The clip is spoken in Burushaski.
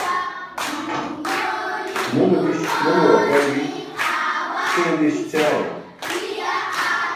Mule diś muluwe akaybi, cʰile diś ćaaye.